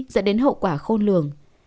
dẫn đến hậu quả khôn lường